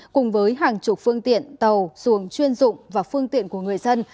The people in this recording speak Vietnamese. cùng với hàng chục phương tiện tàu xuồng chuyên dụng và phương tiện của người dân